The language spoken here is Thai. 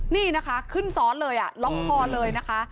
นี่นะคะขึ้นซ้อนเลยล็อกคอเลยนะคะ